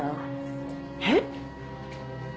えっ？